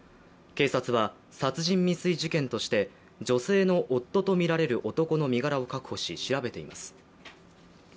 警察は殺人未遂事件として女性の夫とみられる男の身柄を確保し調べています。